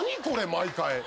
毎回。